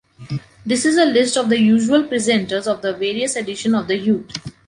This is a list of the usual presenters of the various edition of the Heute.